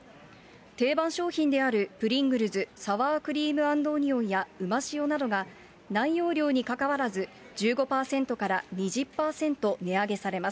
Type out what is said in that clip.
定番商品であるプリングルズ、サワークリーム＆オニオンやうましおなどが、内容量にかかわらず、１５％から２０％値上げされます。